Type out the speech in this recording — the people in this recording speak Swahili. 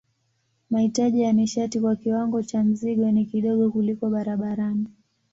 Mahitaji ya nishati kwa kiwango cha mzigo ni kidogo kuliko barabarani.